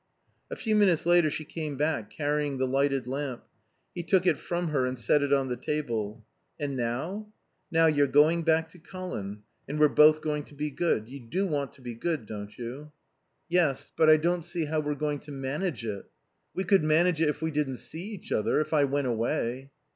A few minutes later she came back carrying the lighted lamp. He took it from her and set it on the table. "And now?" "Now you're going back to Colin. And we're both going to be good...You do want to be good don't you?" "Yes. But I don't see how we're going to manage it." "We could manage it if we didn't see each other. If I went away."